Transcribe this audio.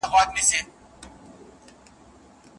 موږ تېر کال له لویې ستونزي سره مخامخ سولو.